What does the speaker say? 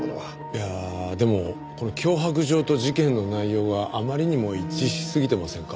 いやあでもこの脅迫状と事件の内容があまりにも一致しすぎてませんか？